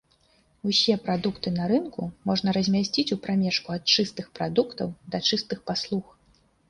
Усе прадукты на рынку можна размясціць у прамежку ад чыстых прадуктаў да чыстых паслуг.